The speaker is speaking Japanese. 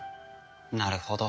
なるほど。